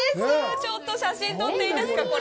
ちょっと写真撮っていいですか、これ。